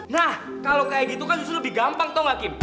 nah kalo kayak gitu kan justru lebih gampang tau ga kim